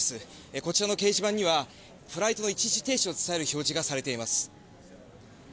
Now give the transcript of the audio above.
こちらの掲示板にはフライト一時停止を伝える表示がされています。